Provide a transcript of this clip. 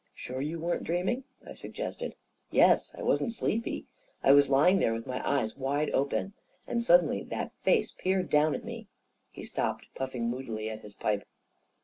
41 Sure you weren't dreaming ?" I suggested. " Yes. I wasn't sleepy. I was lying there with my eyes wide open. And suddenly that face peered down at me •.." He stopped, puffing moodily at his pipe.